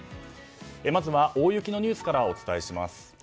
まずは大雪のニュースからお伝えします。